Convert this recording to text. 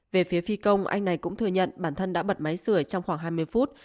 về phía phi công anh này cũng thừa nhận bản thân đã bật máy sửa trong khoảng hai mươi phút